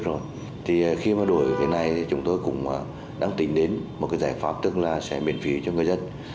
khi đổi giấy phép lái xe này chúng tôi cũng đang tính đến một giải pháp tức là sẽ miễn phí cho người dân